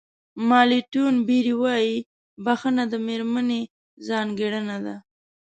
مالټون بېري وایي بښنه د مېرمنې ځانګړنه ده.